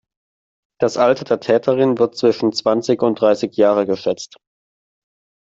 Das Alter der Täterin wird zwischen zwanzig und dreißig Jahre geschätzt.